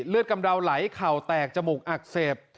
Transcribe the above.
กำเดาไหลเข่าแตกจมูกอักเสบ